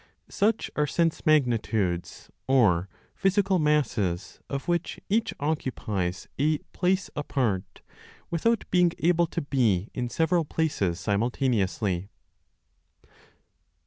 Such are sense magnitudes, or physical masses, of which each occupies a place apart, without being able to be in several places simultaneously.